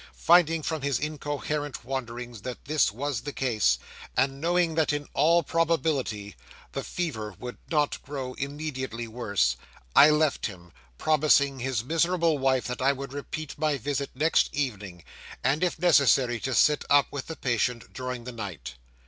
Finding from his incoherent wanderings that this was the case, and knowing that in all probability the fever would not grow immediately worse, I left him, promising his miserable wife that I would repeat my visit next evening, and, if necessary, sit up with the patient during the night.